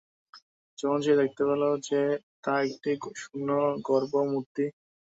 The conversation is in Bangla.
যখন সে দেখতে পেল যে, তা একটি শূন্য গর্ভ, মূর্তি।